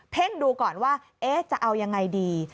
่งดูก่อนว่าจะเอายังไงดี